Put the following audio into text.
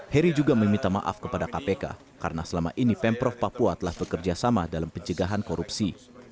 heri juga meminta maaf kepada kpk karena selama ini pemprov papua telah bekerja sama dalam pencegahan korupsi